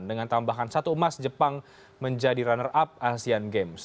dengan tambahan satu emas jepang menjadi runner up asean games